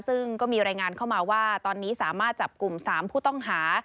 ซึ่งก็มีรายงานเข้ามาว่าตอนนี้สามารถจับกลุ่ม๓ผู้ต้องหา